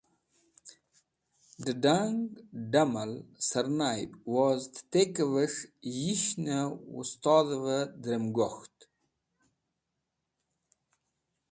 D̃ẽdang, damal, sẽrnay, woz tẽtẽkves̃h yishnẽ weztodh/ dumvẽ gok̃ht.